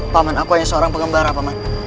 pak man aku hanya seorang pengembara pak man